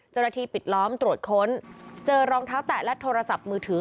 เจ้าหน้าที่ปิดล้อมตรวจค้นเจอรองเท้าแตะและโทรศัพท์มือถือ